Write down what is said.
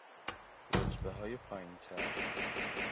رتبههای پایینتر